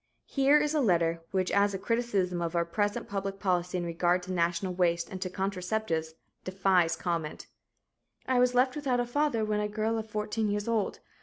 Here is a letter, which as a criticism of our present public policy in regard to national waste and to contraceptives, defies comment: "I was left without a father when a girl of fourteen years old.